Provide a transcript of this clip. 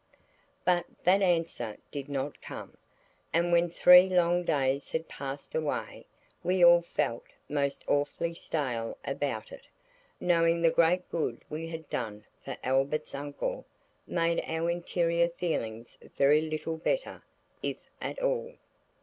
But that answer did not come. And when three long days had passed away we all felt most awfully stale about it. Knowing the great good we had done for Albert's uncle made our interior feelings very little better, if at all.